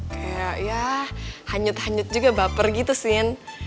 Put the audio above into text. kayak ya hanyut hanyut juga baper gitu sih